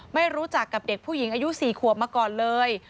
ไม่รู้จักกับเด็กผู้หญิงอายุ๔ขวบมาก่อนเลย